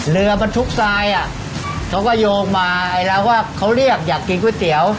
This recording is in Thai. เรือบรรทุกทรายอ่ะเขาก็โยงมาไอ้เราว่าเขาเรียกอยากกินก๋วยเตี๋ยว